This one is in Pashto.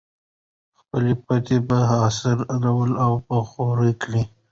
خپلې پټۍ په عصري ډول اوبخور کړئ.